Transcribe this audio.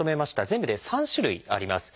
全部で３種類あります。